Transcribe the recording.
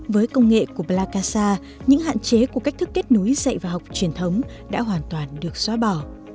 với công nghệ của plakasa những hạn chế của cách thức kết nối dạy và học truyền thống đã hoàn toàn được xóa bỏ